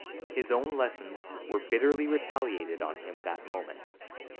His own lessons were bitterly retaliated on him that moment.